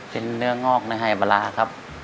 เป็นเนื้องอกในไฮปลาร้าครับ